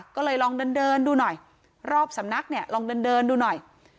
ก็เลยลองเดินดูหน่อยรอบสำนักเนี่ยลองเดินดูหน่อย